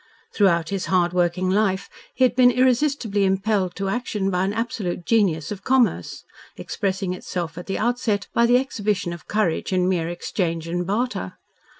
Throughout his hard working life he had been irresistibly impelled to action by an absolute genius of commerce, expressing itself at the outset by the exhibition of courage in mere exchange and barter.